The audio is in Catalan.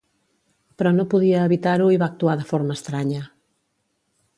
Però no podia evitar-ho i va actuar de forma estranya.